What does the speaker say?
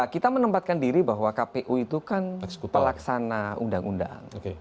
kita menempatkan diri bahwa kpu itu kan pelaksana undang undang